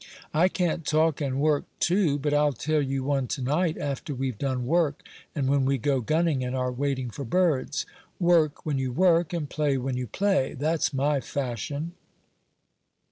"I can't talk and work too; but I'll tell you one to night, after we've done work, and when we go gunning, and are waiting for birds. Work when you work, and play when you play; that's my fashion."